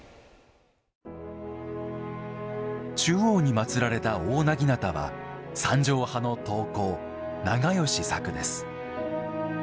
中央に祭られた大長刀は三条派の刀工、長吉作です。